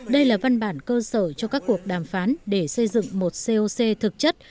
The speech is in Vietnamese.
đây là văn bản cơ sở cho các cuộc đàm phán để xây dựng một coc thực chất